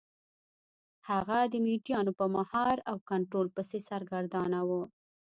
هغه د مینډیانو په مهار او کنټرول پسې سرګردانه و.